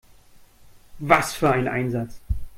Was für ein Einsatz!